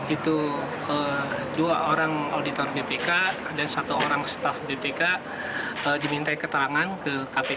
itu dua orang auditor bpk dan satu orang staf bpk diminta keterangan ke kpk